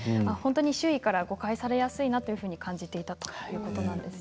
周囲から誤解されやすいと感じていたということです。